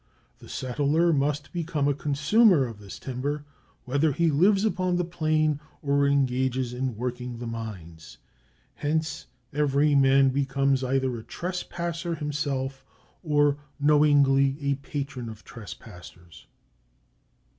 The settler must become a consumer of this timber, whether he lives upon the plain or engages in working the mines. Hence every man becomes either a trespasser himself or knowingly a patron of trespassers.